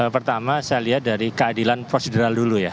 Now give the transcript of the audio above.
pertama saya lihat dari keadilan prosedural dulu ya